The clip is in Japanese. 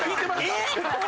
えっ！？